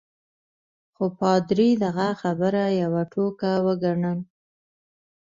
خو پادري دغه خبره یوه ټوکه وګڼل.